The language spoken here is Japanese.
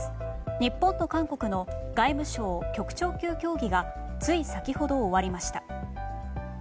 日本と韓国の外務省局長級協議がつい先ほど終わりました。